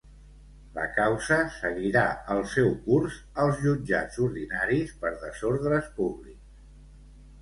La causa seguirà el seu curs als jutjats ordinaris per desordres públics.